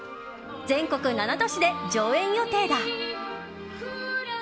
全国７都市で上演予定だ。